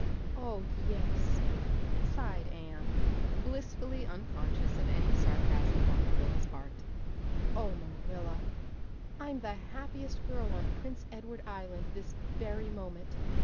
"Oh yes," sighed Anne, blissfully unconscious of any sarcasm on Marilla's part. "Oh Marilla, I'm the happiest girl on Prince Edward Island this very moment.